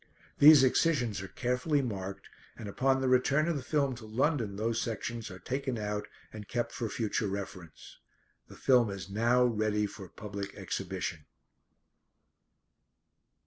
These excisions are carefully marked and upon the return of the film to London those sections are taken out and kept for future reference. The film is now ready for public exhibition.